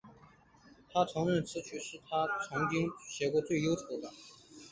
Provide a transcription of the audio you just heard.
她承认此曲是她曾经写过最忧愁的。